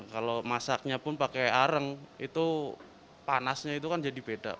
kalau masaknya pun pakai arang itu panasnya itu kan jadi beda